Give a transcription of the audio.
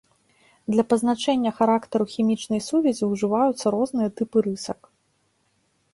Для пазначэння характару хімічнай сувязі ўжываюцца розныя тыпы рысак.